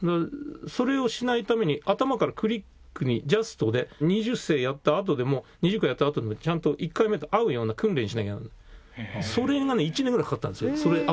それをしないために頭からクリックにジャストで２０声やったあとでも２０回やったあとでもちゃんと１回目と合うような訓練しなきゃならない。